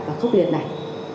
và khốc liệt này